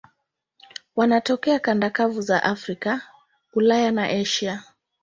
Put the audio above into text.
Wanatokea kanda kavu za Afrika, Ulaya na Asia.